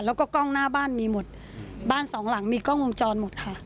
แล้วก็กล้องหน้าบ้านมีหมดบ้านสองหลังมีกล้องวงจรหมดค่ะ